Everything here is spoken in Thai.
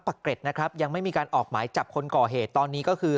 เกร็ดนะครับยังไม่มีการออกหมายจับคนก่อเหตุตอนนี้ก็คือ